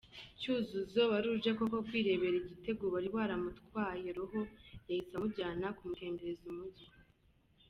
Cyuzuzo wari uje koko kwirebera Igitego wari waramutwaye roho, yahise amujyana kumutembereza umujyi.